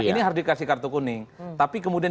ini harus dikasih kartu kuning tapi kemudian